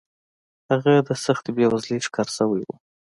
هغه د سختې بېوزلۍ ښکار شوی و